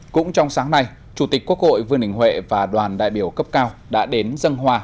cũng trong sáng nay chủ tịch quốc hội vương đình huệ và đoàn đại biểu cấp cao đã đến dân hòa